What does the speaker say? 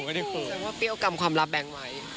คิดว่าเปรี้ยวกรรมความลับแบ่งไว้